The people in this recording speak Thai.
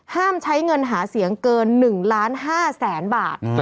ห้ามใช้เงินหาเสียงเกิน๑๕ล้านบาท